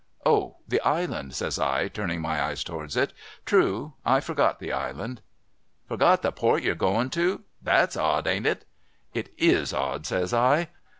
' O ! The Island !' says I, turning my eyes towards it. ' True. I forgot the Island.' • Forgot the port you're going to ? That's odd, ain't it ?'' It is odd,' says I.